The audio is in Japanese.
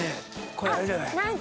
これあれじゃない？」